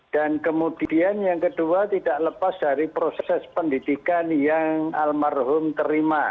dan kemudian yang kedua tidak lepas dari proses pendidikan yang almarhum terima